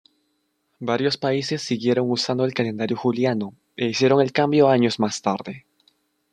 Varios países siguieron usando el calendario juliano, e hicieron el cambio años más tarde.